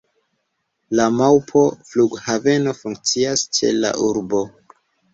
Laŭ mapo flughaveno funkcias ĉe la urbo.